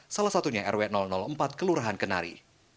salah satunya rw empat kelurahan kenari